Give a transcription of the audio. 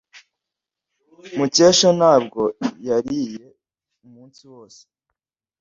Mukesha ntabwo yariye umunsi wose.